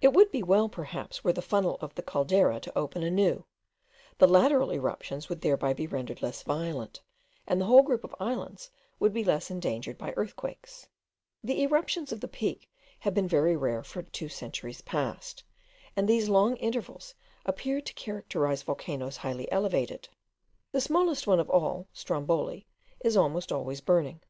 It would be well, perhaps, were the funnel of the Caldera to open anew; the lateral eruptions would thereby be rendered less violent, and the whole group of islands would be less endangered by earthquakes. The eruptions of the Peak have been very rare for two centuries past, and these long intervals appear to characterize volcanoes highly elevated. The smallest one of all, Stromboli, is almost always burning.